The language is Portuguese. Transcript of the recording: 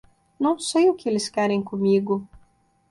Não sei o que eles querem comigo